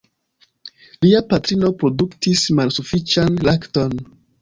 Lia patrino produktis malsufiĉan lakton.